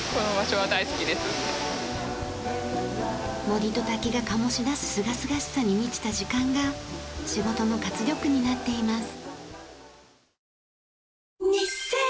森と滝が醸し出すすがすがしさに満ちた時間が仕事の活力になっています。